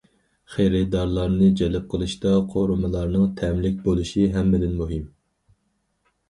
خېرىدارلارنى جەلپ قىلىشتا قورۇمىلارنىڭ تەملىك بولۇشى ھەممىدىن مۇھىم.